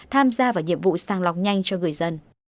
tham gia vào nhiệm vụ sàng lọc nhanh cho người dân